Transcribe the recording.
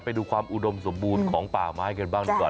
ไปดูความอุดมสมบูรณ์ของป่อม้าไอ้เค้าบ้างก่อน